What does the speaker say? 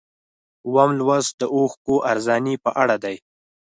اووم لوست د اوښکو ارزاني په اړه دی.